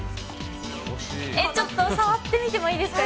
え、ちょっと触ってみてもいいですか？